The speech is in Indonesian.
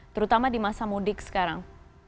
terutama di masa mudik sekarang